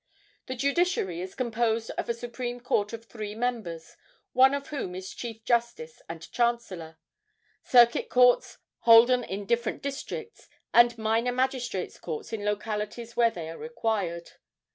The judiciary is composed of a Supreme Court of three members, one of whom is chief justice and chancellor, Circuit Courts holden in different districts, and minor magistrates' courts in localities where they are required.